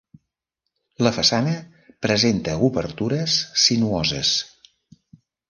La façana presenta obertures sinuoses.